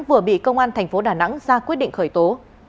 vừa bị công an tp đà nẵng ra quyết định khởi tố